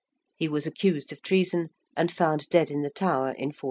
He was accused of treason and found dead in the Tower in 1478.